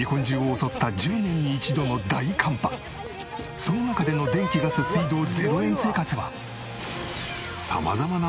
その中での電気ガス水道０円生活は。